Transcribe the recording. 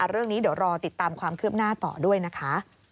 เรื่องนี้เดี๋ยวรอติดตามความคืบหน้าต่อด้วยนะคะ